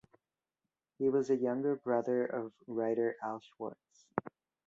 He was a younger brother of writer Al Schwartz.